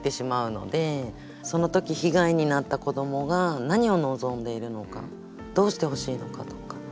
その時被害になった子どもが何を望んでいるのかどうしてほしいのかとか。